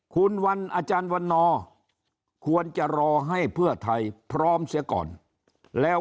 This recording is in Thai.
คุณวันอาจารย์วันนอร์ควรจะรอให้เพื่อไทยพร้อมเสียก่อนแล้ว